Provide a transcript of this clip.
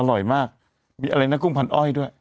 อร่อยมากมีอะไรนะกุ้งพันอ้อยด้วย